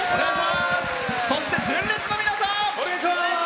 そして、純烈の皆さん。